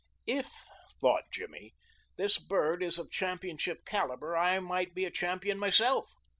"If," thought Jimmy, "this bird is of championship caliber, I might be a champion myself."